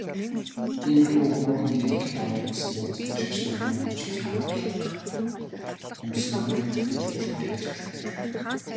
Иймэрхүү бөө нэрийг дорд үзэн Буддын шашныг өргөмжилсөн агуулга Юмсуновын бүтээлд илүүтэй ажиглагдаж байна.